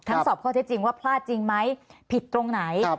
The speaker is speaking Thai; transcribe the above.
สอบข้อเท็จจริงว่าพลาดจริงไหมผิดตรงไหน